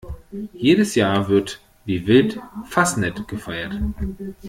Jedes Jahr wird wie wild Fasnet gefeiert.